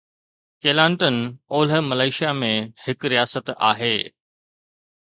Kelantan اولهه Malaysia ۾ هڪ رياست آهي.